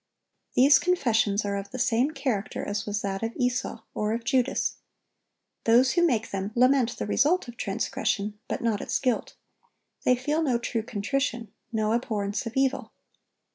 These confessions are of the same character as was that of Esau or of Judas. Those who make them, lament the result of transgression, but not its guilt. They feel no true contrition, no abhorrence of evil.